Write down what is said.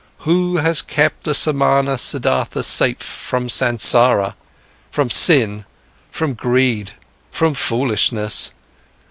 Who has kept the Samana Siddhartha safe from Sansara, from sin, from greed, from foolishness?